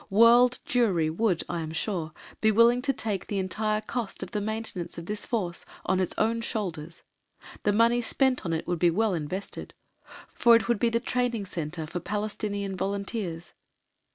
World Jewry would, I am sure, be willing to take the entire cost of the maintenance of this Force on its own shoulders; the money spent on it would be well invested, for it would be the training centre of Palestinian volunteers.